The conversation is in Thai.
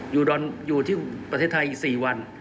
อยู่ที่ประเทศไทยอีก๔วัน